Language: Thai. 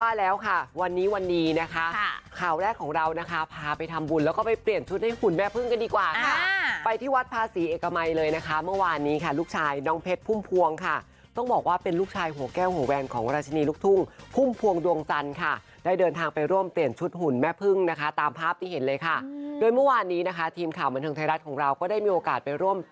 ว่าแล้วค่ะวันนี้วันนี้นะคะข่าวแรกของเรานะคะพาไปทำบุญแล้วก็ไปเปลี่ยนชุดให้หุ่นแม่พึ่งกันดีกว่าค่ะไปที่วัดภาษีเอกมัยเลยนะคะเมื่อวานนี้ค่ะลูกชายน้องเพชรพุ่มพวงค่ะต้องบอกว่าเป็นลูกชายหัวแก้วหัวแวนของราชินีลูกทุ่งพุ่มพวงดวงจันทร์ค่ะได้เดินทางไปร่วมเปลี่ยนชุดหุ่นแม่พึ่งนะคะตาม